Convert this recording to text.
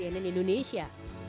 tim liputan cnn indonesia